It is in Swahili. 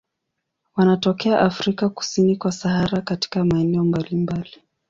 Wanatokea Afrika kusini kwa Sahara katika maeneo mbalimbali.